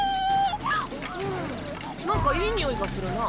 うんなんかいい匂いがするな。